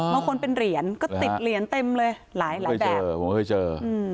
เมื่อคนเป็นเหรียญก็ติดเหรียญเต็มเลยหลายหลายแบบผมเคยเจออืม